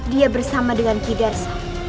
dia bersama dengan kidarsa